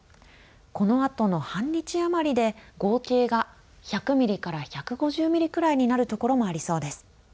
このあとの半日余りで合計が１００ミリから１５０ミリくらいになる所もありそうです。